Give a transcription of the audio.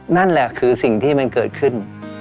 นั่นแหละคือสิ่งที่มันเกิดขึ้น